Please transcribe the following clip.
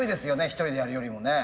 一人でやるよりもね。